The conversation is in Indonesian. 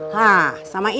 hah sama ini